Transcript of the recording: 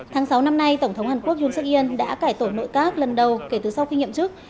tháng sáu năm nay tổng thống hàn quốc yoon seok in đã cải tổ nội các lần đầu kể từ sau khi nhậm chức